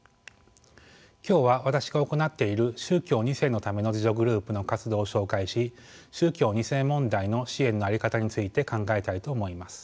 今日は私が行っている宗教２世のための自助グループの活動を紹介し宗教２世問題の支援の在り方について考えたいと思います。